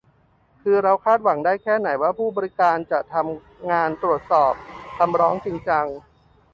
คือเราคาดหวังได้แค่ไหนว่าผู้ให้บริการจะทำงานตรวจสอบคำร้องจริงจัง